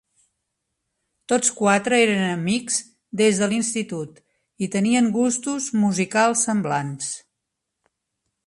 Tots quatre eren amics des de l'institut i tenien gustos musicals semblants.